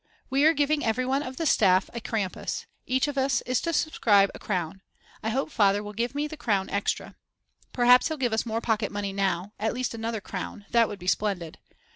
We are giving everyone of the staff a Krampus, each of us is to subscribe a crown, I hope Father will give me the crown extra. Perhaps he'll give us more pocket money now, at least another crown, that would be splendid.